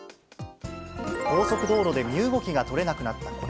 高速道路で身動きが取れなくなった子猫。